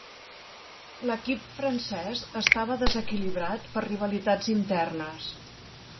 L'equip francès estava desequilibrat per rivalitats internes.